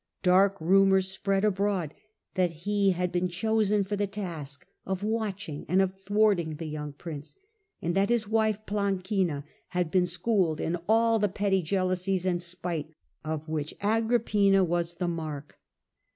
Dark vernor of rumoui's Spread abroad that he had been cho* sen for the task of watching and of thwarting the young prince, and that his wife, Plancina, had been schooled in all the petty jealousies and spite of which Agrippina was the mark.